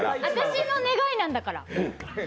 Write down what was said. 私の願いなんだから。